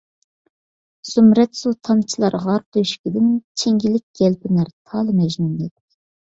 زۇمرەت سۇ تامچىلار غار تۆشۈكىدىن، چىڭگىلىك يەلپۈنەر تالى مەجنۇندەك،